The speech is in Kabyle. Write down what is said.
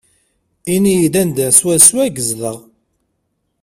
Ini-yi-d anda swaswa i yezdeɣ.